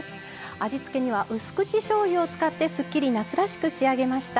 味付けにはうす口しょうゆを使ってすっきり夏らしく仕上げました。